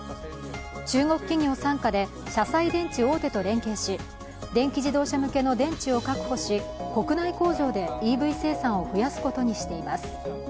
中国企業傘下で車載電池大手と連携し電気自動車向けの電池を確保し国内工場でＥＶ生産を増やすことにしています。